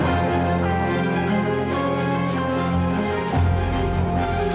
yang sepupu banget